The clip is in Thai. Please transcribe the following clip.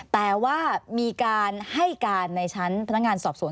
แต่ว่ามีการให้การในชั้นพนักงานสอบสวน